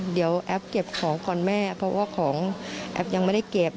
เดี๋ยวแอปเก็บของก่อนแม่เพราะว่าของแอปยังไม่ได้เก็บ